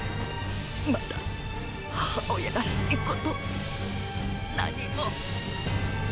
まだ母親らしいことを何も。